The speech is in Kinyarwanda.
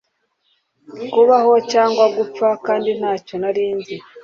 Kubaho cyangwa gupfa kandi ntacyo nari nzi